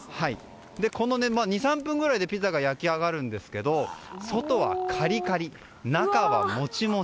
２３分くらいでピザが焼き上がるんですけど外はカリカリ、中はモチモチ